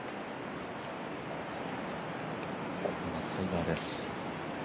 タイガーです。